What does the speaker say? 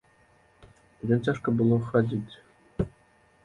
Ёй цяжка было хадзіць.